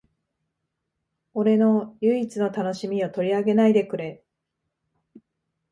俺の唯一の楽しみを取り上げないでくれ